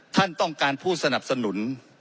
ท่านต้องการผู้สนับสนุน